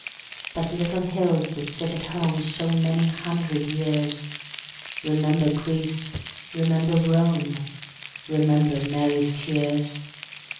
But little hills that sit at home So many hundred years, Remember Greece, remember Rome, Remember Mary's tears.